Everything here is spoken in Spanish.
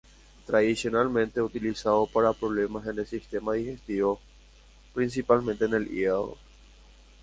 Tradicionalmente utilizado para problemas en el sistema digestivo, principalmente en el hígado.